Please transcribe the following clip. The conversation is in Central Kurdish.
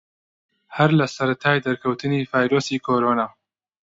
هەر لە سەرەتای دەرکەوتنی ڤایرۆسی کۆرۆنا